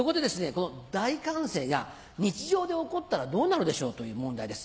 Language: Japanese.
この大歓声が日常で起こったらどうなるでしょうという問題です。